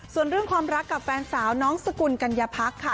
ส่วนเรื่องความรักกับแฟนสาวน้องสกุลกัญญาพักค่ะ